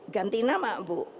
ganti nama bu